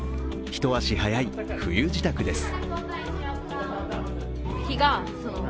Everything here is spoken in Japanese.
一足早い冬支度です。